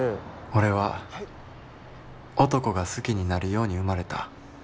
「俺は男が好きになるように生まれた。